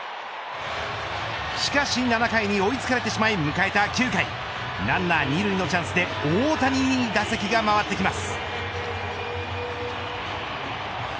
しかし７回に追いつかれてしまい迎えた９回ランナー２塁のチャンスで大谷に打席が回ってきます。